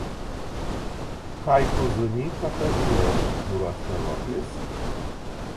Kai tu zyni, ka tev ir lobs gorastuovūklis?